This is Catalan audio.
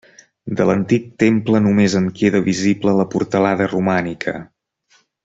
De l'antic temple només en queda visible la portalada romànica.